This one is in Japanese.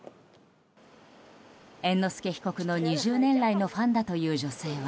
猿之助被告の２０年来のファンだという女性は。